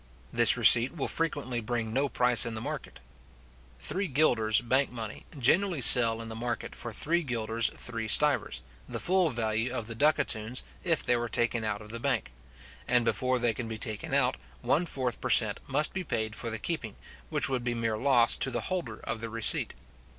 This receipt will frequently bring no price in the market. Three guilders, bank money, generally sell in the market for three guilders three stivers, the full value of the ducatoons, if they were taken out of the bank; and before they can be taken out, one fourth per cent. must be paid for the keeping, which would be mere loss to the holder of the receipt.